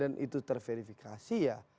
dan itu terverifikasi ya